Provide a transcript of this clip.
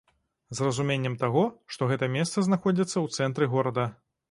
З разуменнем таго, што гэта месца знаходзіцца ў цэнтры горада.